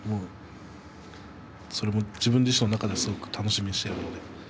それも自分自身の中で楽しみにしています。